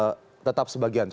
cacat tetap sebagian ini artinya